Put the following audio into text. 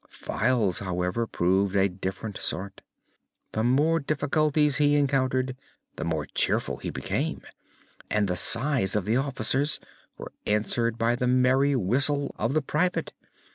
Files, however, proved a different sort. The more difficulties he encountered the more cheerful he became, and the sighs of the officers were answered by the merry whistle of the Private.